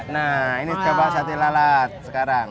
nah ini coba sate lalat sekarang